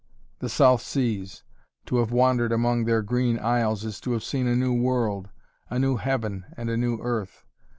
The South Seas; to have wandered among their green isles is to have seen a new world, a new heaven and a new earth.